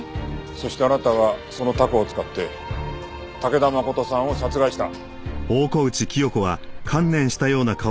そしてあなたはそのタコを使って武田誠さんを殺害した。